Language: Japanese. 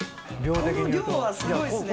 この量はすごいですね。